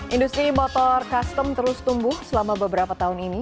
industri motor custom terus tumbuh selama beberapa tahun ini